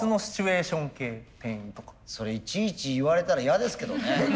それいちいち言われたら嫌ですけどね。